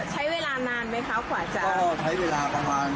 ใช้เวลานานไหมคะขวาจาก